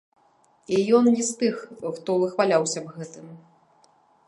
І ён не з тых, хто выхваляўся б гэтым.